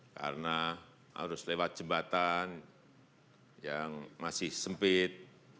karena harus lewat jembatan yang masih sempit